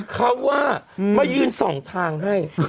เขาว่ามายืนส่องทางให้